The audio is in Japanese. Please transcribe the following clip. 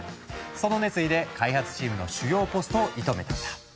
その熱意で開発チームの主要ポストを射止めたんだ。